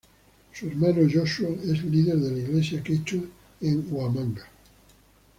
Su hermano Joshua es líder de la iglesia quechua en Huamanga.